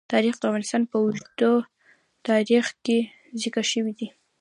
تاریخ د افغانستان په اوږده تاریخ کې ذکر شوی دی.